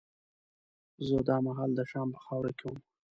زه دا مهال د شام په خاوره کې وم.